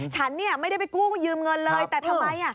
ฉันเนี่ยไม่ได้ไปกู้ยืมเงินเลยแต่ทำไม